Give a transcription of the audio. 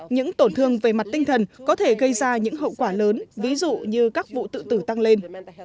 những tổn thương về mặt tinh thần có thể gây ra những hậu quả lớn ví dụ như các vụ tự tử tăng lên